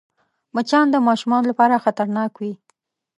مچان د ماشومانو لپاره خطرناک وي